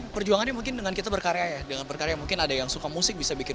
perjuangannya mungkin dengan kita berkarya ya dengan berkarya mungkin ada yang suka musik bisa bikin